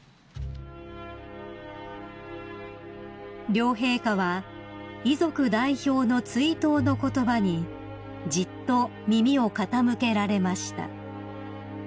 ［両陛下は遺族代表の追悼の言葉にじっと耳を傾けられました］